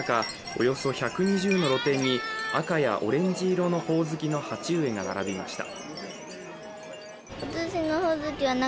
およそ１２０の露店に赤やオレンジ色のほおずきの鉢植えが並びました。